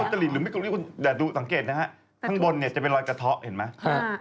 แต่ดูสังเกตนะครับข้างบนเนี่ยจะเป็นรอยกระเทาะเห็นมั้ย